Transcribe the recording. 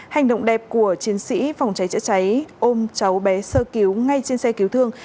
hành động đẹp của chiến sĩ phòng cháy chữa cháy ôm cháu bé sơ cứu ngay trên xe cứu thương